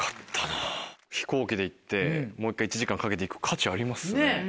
飛行機で行ってもう１回１時間かけて行く価値ありますね。